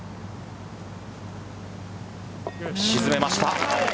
沈めました。